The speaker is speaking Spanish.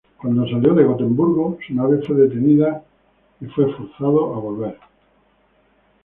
Cuando salió de Gotemburgo, su nave fue detenida y fue forzado a volver.